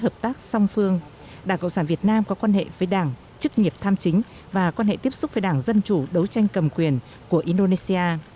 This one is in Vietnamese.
hợp tác song phương đảng cộng sản việt nam có quan hệ với đảng chức nghiệp tham chính và quan hệ tiếp xúc với đảng dân chủ đấu tranh cầm quyền của indonesia